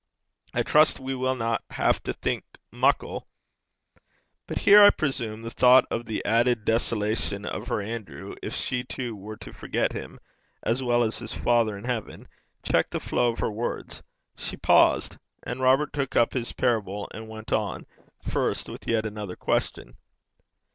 'I trust we winna hae to think muckle ' But here, I presume, the thought of the added desolation of her Andrew if she, too, were to forget him, as well as his Father in heaven, checked the flow of her words. She paused, and Robert took up his parable and went on, first with yet another question.